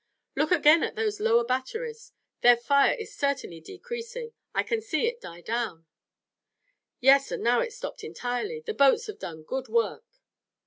"Look again at those lower batteries. Their fire is certainly decreasing. I can see it die down." "Yes, and now it's stopped entirely. The boats have done good work!"